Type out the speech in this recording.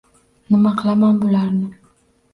Nima qilaman bularni?